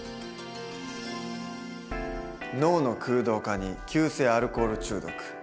脳の空洞化に急性アルコール中毒。